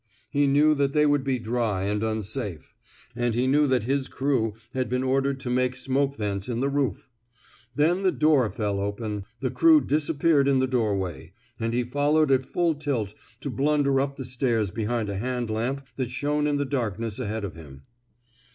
He knew that they would be dry and unsafe ; and he knew that his crew had been ordered to make smoke vents in the roof. Then the door fell open, the crew disappeared in the doorway, 157 THE SMOKE EATEES and he followed at full tilt to blunder up the stairs behind a hand lamp that shone in the darkness ahead of him.